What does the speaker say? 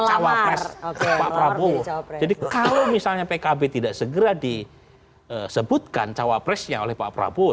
cawa pres pak prabowo jadi kalau misalnya pkb tidak segera disebutkan cawa presnya oleh pak prabowo